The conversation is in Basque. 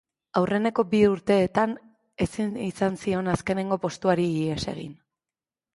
Aurreneko bi urteetan ezin izan zion azkenengo postuari ihes egin.